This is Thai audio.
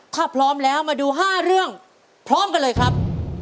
ถ้าพร้อมแล้วมาดู๕เรื่องพร้อมกันเลยครับ